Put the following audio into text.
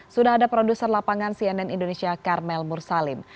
sudah ada produser lapangan cnn indonesia karmel mursalim